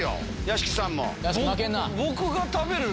屋敷さんも。